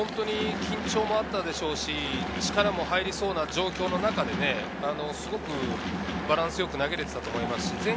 緊張もあったでしょうし、力も入りそうな状況の中で、すごくバランスよく投げれてたと思います。